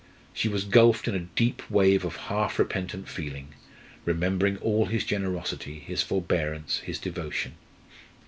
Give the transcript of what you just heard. She was gulfed in a deep wave of half repentant feeling, remembering all his generosity, his forbearance, his devotion.